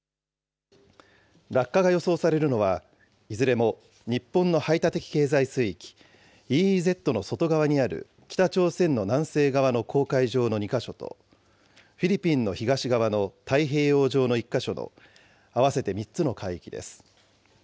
落下が予想されるのは、いずれも日本の排他的経済水域・ＥＥＺの外側にある北朝鮮の南西側の黄海上の２か所とフィリピンの東側の太平洋上の１か所の合わせて３つの海域です。